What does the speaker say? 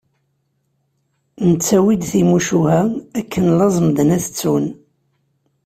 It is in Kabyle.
Nettawi-d timucuha, akken laẓ medden ad t-ttun.